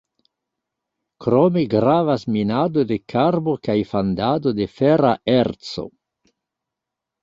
Krome gravas minado de karbo kaj fandado de fera erco.